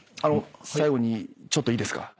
最後にちょっといいですか。